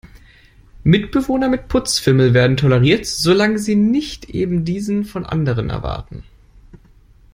Mitbewohner mit Putzfimmel werden toleriert, solange sie nicht eben diesen von anderen erwarten.